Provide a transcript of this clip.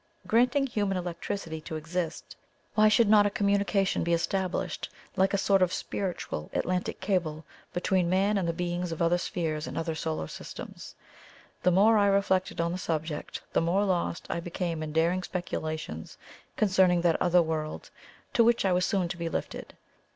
Granting human electricity to exist, why should not a communication be established, like a sort of spiritual Atlantic cable, between man and the beings of other spheres and other solar systems? The more I reflected on the subject the more lost I became in daring speculations concerning that other world, to which I was soon to be lifted.